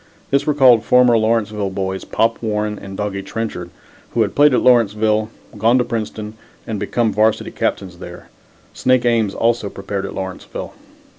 This recalled former Lawrenceville boys, Pop Warren and Doggie Trenchard, who had played at Lawrenceville, gone to Princeton and had become varsity captains there. Snake Ames also prepared at Lawrenceville.